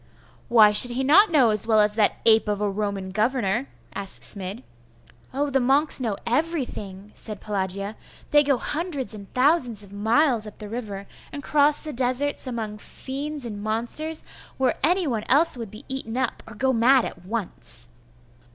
'Why should not he know as well as that ape of a Roman governor?' asked Smid. 'Oh, the monks know everything,' said Pelagia. 'They go hundreds and thousands of miles up the river, and cross the deserts among fiends and monsters, where any one else would be eaten up, or go mad at once.